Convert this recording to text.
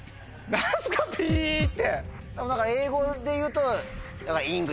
何か英語で言うと。